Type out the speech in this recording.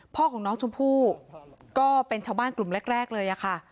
พ่อของน้องชมพู่ก็เป็นชาวบ้านกลุ่มแรกเลยค่ะ